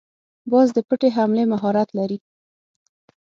باز د پټې حملې مهارت لري